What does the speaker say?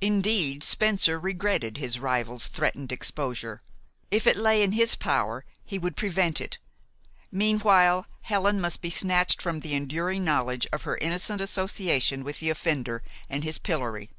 Indeed, Spencer regretted his rival's threatened exposure. If it lay in his power, he would prevent it: meanwhile, Helen must be snatched from the enduring knowledge of her innocent association with the offender and his pillory.